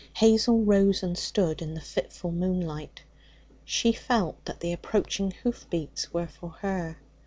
Hazel rose and stood in the fitful moonlight. She felt that the approaching hoof beats were for her.